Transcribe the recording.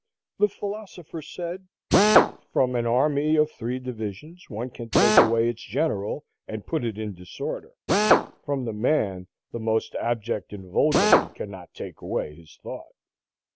The philosopher said: "From an army of three divisions one can take away its general, and put it in disorder; from the man the most abject and vulgar one cannot take away his thought."